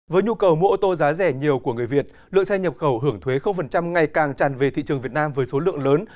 với nhu cầu mua ô tô giá rẻ nhiều của người việt lượng xe nhập khẩu hưởng thuế ngày càng tràn về thị trường việt nam với số lượng lớn